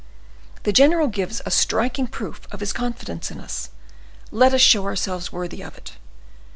The general gives a striking proof of his confidence in us; let us show ourselves worthy of it.